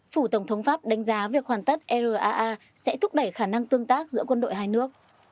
phủ tổng thống pháp đánh giá việc hoàn tất raa sẽ thúc đẩy khả năng tương tác giữa quân đội hai nước